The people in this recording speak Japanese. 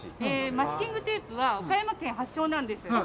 マスキングテープは岡山県発祥なんです。